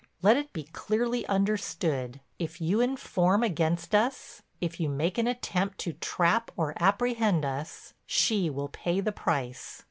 Let it be clearly understood—if you inform against us, if you make an attempt to trap or apprehend us, she will pay the price.